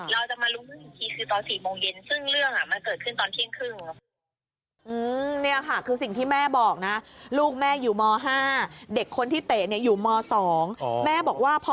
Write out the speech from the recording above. เราจะมารู้กันอีกทีตอน๔โมงเย็น